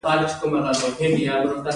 دا کار د بن د توافقاتو په اساس تصویب شو.